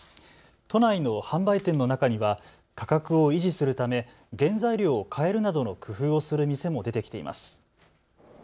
都内の販売店の中には価格を維持するため原材料を変えるなどの工夫をする店も出てきています。